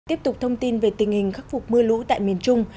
tiếp tục thông tin về tình hình khắc phục mưa lũ tại miền trung